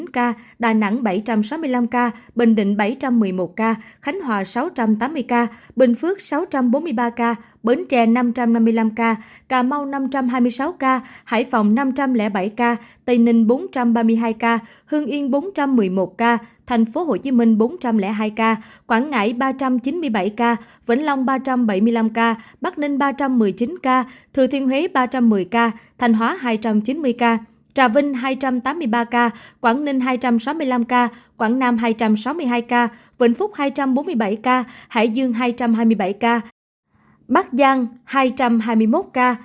cà mau năm trăm hai mươi sáu ca hải phòng năm trăm linh bảy ca tây ninh bốn trăm ba mươi hai ca hương yên bốn trăm một mươi một ca tp hcm bốn trăm linh hai ca quảng ngãi ba trăm chín mươi bảy ca vĩnh long ba trăm bảy mươi năm ca bắc ninh ba trăm một mươi chín ca thừa thiên huế ba trăm một mươi ca thành hóa hai trăm chín mươi ca trà vinh hai trăm tám mươi ba ca quảng ninh hai trăm sáu mươi năm ca quảng nam hai trăm sáu mươi hai ca vĩnh phúc hai trăm bốn mươi bảy ca hải dương hai trăm hai mươi bảy ca bắc giang hai trăm hai mươi một ca